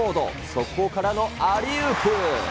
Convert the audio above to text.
速攻からのアリウープ。